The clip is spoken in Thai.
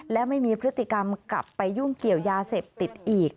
และไม่มีพฤติกรรมกลับไปยุ่งเกี่ยวยาเสพติดอีก